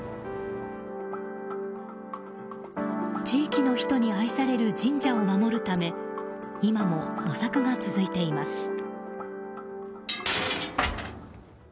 地域の人に愛される神社を守るため今も模索が続いています。